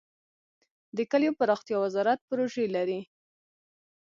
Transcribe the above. د کلیو پراختیا وزارت پروژې لري؟